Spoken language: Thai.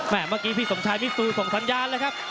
เมื่อกี้พี่สมชายมิซูส่งสัญญาณเลยครับ